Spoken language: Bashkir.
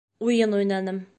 Уйын уйнаным.